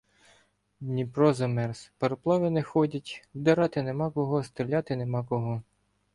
Дніпро замерз, пароплави не ходять, обдирати нема кого, стріляти нема кого.